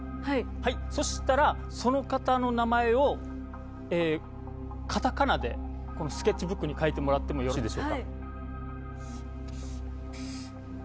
そしたら、その方の名前をかたかなでこのスケッチブックに書いてもらってもよろしいでしょうか。